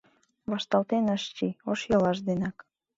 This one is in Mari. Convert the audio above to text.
Вашталтен ыш чий, ош йолаш денак.